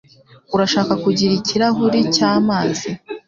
Urashaka kugira ikirahuri cyamazi?